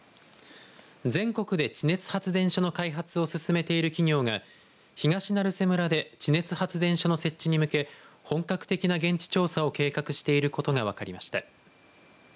全国で地熱発電所の開発を進めている企業が東成瀬村で地熱発電所の設置に向け本格的な現地調査を計画していることが分かりました。